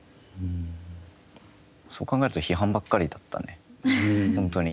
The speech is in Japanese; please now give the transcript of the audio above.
そう考えると批判ばっかりだったね、本当に。